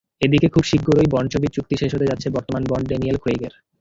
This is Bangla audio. এদিকে, খুব শিগগিরই বন্ড ছবির চুক্তি শেষ হতে যাচ্ছে বর্তমান বন্ড ড্যানিয়েল ক্রেইগের।